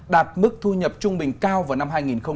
đạt mức thu nhập trung bình cao vào năm hai nghìn hai mươi